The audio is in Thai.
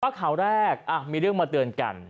บ๊อบข่าวแรกอ้าวมีเรื่องมาเตือนกัน